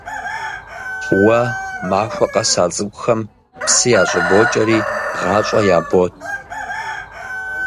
Уэ махуэ къэс а цӀыкӀухэм псы ящӀыбокӀэри, гъащӀэ ябот.